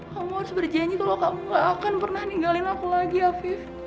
kamu harus berjanji kalau kamu gak akan pernah ninggalin aku lagi afif